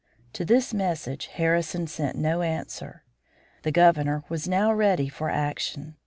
To this message Harrison sent no answer. The Governor was now ready for action.